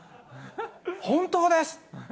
本当です！